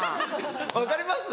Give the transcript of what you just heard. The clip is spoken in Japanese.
分かります？